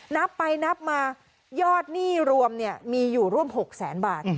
นับไปนับมายอดหนี้รวมมีอยู่ร่วม๖แสนบาท